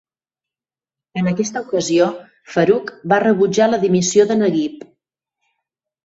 En aquesta ocasió, Farouk va rebutjar la dimissió de Naguib.